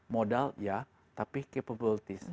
modal ya tapi capabilities